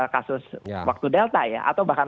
kasus waktu delta ya atau bahkan